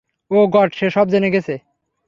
ওহ god, সে সব জেনে গেছে।